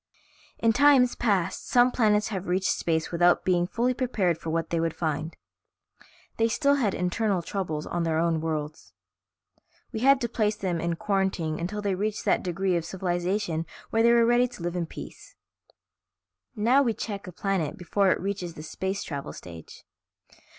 "In times past some planets have reached space without being fully prepared for what they would find. They still had internal troubles on their own worlds. We had to place them in quarantine until they reached that degree of civilization where they were ready to live in peace. Now we check a planet before it reaches the space travel stage.